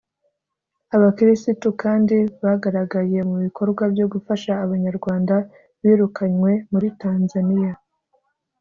Abakirisitu kandi bagaragaye mu bikorwa byo gufasha Abanyarwanda birukanywe muri Tanzania